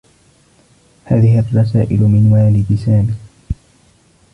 هذه الرسائل من والدي سامي.